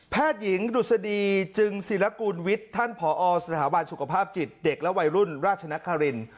หญิงดุษฎีจึงศิลกูลวิทย์ท่านผอสถาบันสุขภาพจิตเด็กและวัยรุ่นราชนคริน